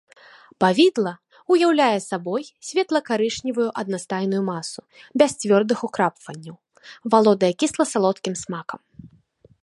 Павідла ўяўляе сабой светла-карычневую аднастайную масу без цвёрдых украпванняў, валодае кісла-салодкім смакам.